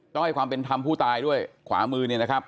ต้องให้ความเป็นธรรมผู้ตายด้วยขวามือเนี่ยนะครับ